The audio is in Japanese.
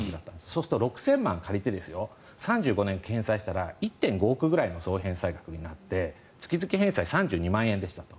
そうすると６０００万円借りて３５年返済したら１．５億くらいの総返済額になって月々返済が３２万円でした。